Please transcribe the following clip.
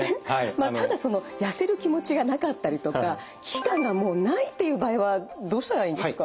ただその痩せる気持ちがなかったりとか危機感がもうないっていう場合はどうしたらいいんですか？